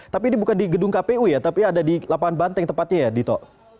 tapi ini bukan di gedung kpu ya tapi ada di lapangan banteng tepatnya ya dito